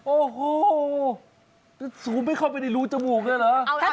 โอ้โหจะซูมให้เข้าไปในรูจมูกเลยเหรอ